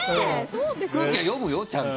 空気は読むよ、ちゃんと。